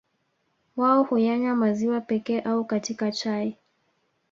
Wao huyanywa maziwa pekee au katika chai